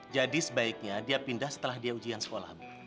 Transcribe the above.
jadi sebaiknya dia pindah setelah dia ujian sekolah bu